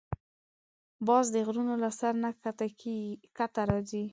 باز د غرونو له سر نه ښکته راځي